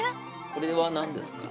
これは何ですか？